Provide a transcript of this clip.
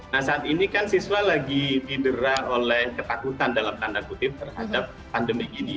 nah saat ini kan siswa lagi didera oleh ketakutan dalam tanda kutip terhadap pandemi ini